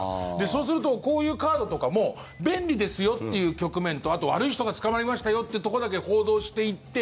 そうするとこういうカードとかも便利ですよという局面とあと、悪い人が捕まりましたよというところだけ報道していって